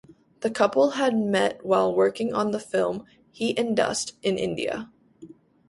The couple had met while working on the film "Heat and Dust" in India.